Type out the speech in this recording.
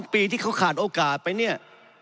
ปีที่เขาขาดโอกาสไปเนี่ย